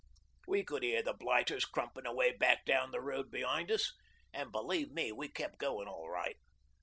We could hear the blighters crumpin' away back down the road behind us, an' believe me we kep' goin' all right.